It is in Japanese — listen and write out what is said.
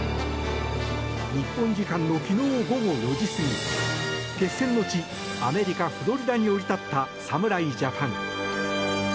日本時間の昨日午後４時過ぎ決戦の地アメリカ・フロリダに降り立った侍ジャパン。